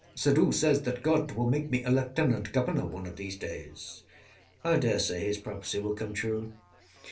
Suddhoo says that God will make me a Lieutenant Governor one of these days. I daresay his prophecy will come true.